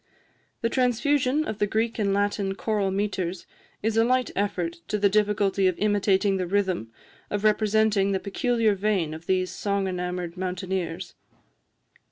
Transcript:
The transfusion of the Greek and Latin choral metres is a light effort to the difficulty of imitating the rhythm, or representing the peculiar vein of these song enamoured mountaineers.